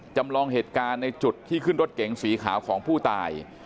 จำลองเหตุการณ์ในจุดที่ขึ้นรถเก๋งสีขาวของผู้ตาย